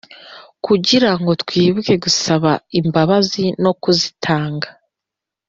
kugira ngo twibuke gusaba imbabazino kuzitanga.